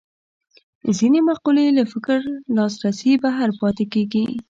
ځینې مقولې له فکر لاسرسي بهر پاتې کېږي